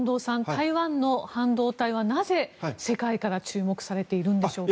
台湾の半導体はなぜ世界から注目されているんでしょうか。